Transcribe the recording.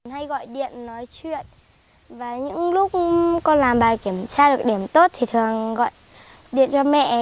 hay gọi điện nói chuyện và những lúc con làm bài kiểm tra được điểm tốt thì thường gọi điện cho mẹ